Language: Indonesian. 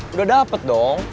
udah dapet dong